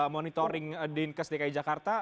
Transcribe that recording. monitoring di ksdki jakarta